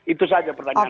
itu saja pertanyaan saya